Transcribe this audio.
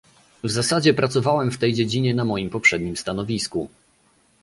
W zasadzie pracowałem w tej dziedzinie na moim poprzednim stanowisku